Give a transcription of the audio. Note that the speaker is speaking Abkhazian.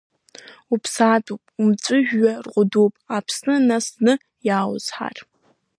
Уԥсаатәуп, умҵәыжәҩа рҟәыдуп, Аԥсны, нас зны иааузҳар…